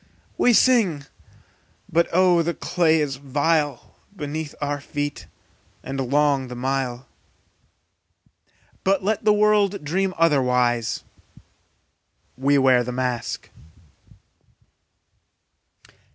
We sing, but oh the clay is vile Beneath our feet, and long the mile; But let the world dream otherwise, We wear the mask!